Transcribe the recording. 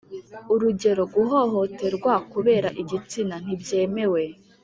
urugero: guhohoterwa kubera igitsina ntibyemewe.